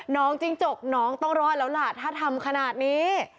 จิ้งจกน้องต้องรอดแล้วล่ะถ้าทำขนาดนี้